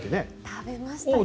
食べました。